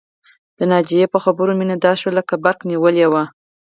د ناجيې په خبرو مينه داسې شوه لکه برق نيولې وي